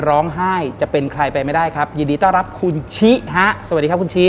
จะเป็นใครไปไม่ได้ครับยินดีต้อนรับคุณชิฮะสวัสดีครับคุณชิ